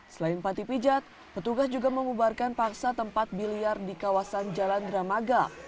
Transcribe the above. selain panti pijat petugas juga memubarkan paksa tempat biliar di kawasan jalan dramaga